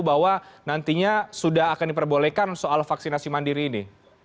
bahwa nantinya sudah akan diperbolehkan soal vaksinasi mandiri ini